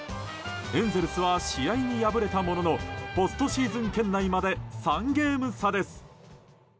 エンゼルスは試合に敗れたもののポストシーズン圏内まで３ゲーム差です。